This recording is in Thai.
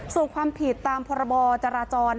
ส่วนความผิดตามพรบจราจร